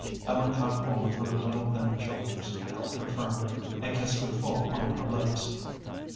Ellen caught hold of her little, thin shoulders, held her firmly, and kissed her full on her lips.